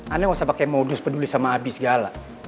anda tidak perlu pakai modus peduli sama abi segala